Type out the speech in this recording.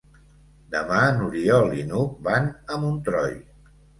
Demà n'Oriol i n'Hug van a Montroi.